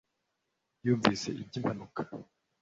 yumvise iby'impanuka.